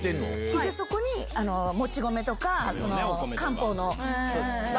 そこにもち米とか、漢方の。